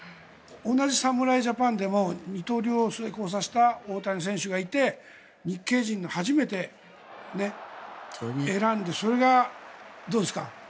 同じ侍ジャパンでも二刀流を成功させた大谷選手がいて日系人の、初めて選んでそれがどうですか？